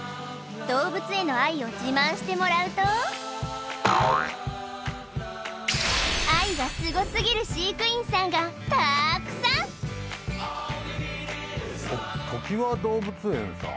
動物への愛を自慢してもらうと愛がすごすぎる飼育員さんがたくさんときわ動物園さん？